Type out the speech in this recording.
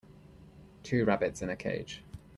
Two rabbits in a cage.